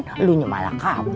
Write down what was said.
kamu akan terlalu sedih